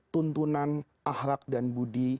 tuntunan ahlak dan budi